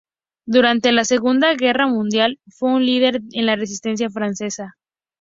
Durante la Segunda Guerra Mundial, fue un líder en la resistencia francesa.